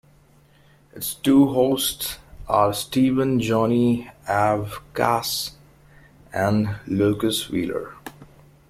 Its two hosts are Steven "Johnny" Avkast and Locus Wheeler.